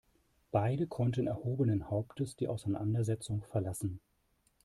Beide konnten erhobenen Hauptes die Auseinandersetzung verlassen.